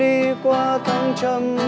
đi qua thăng trầm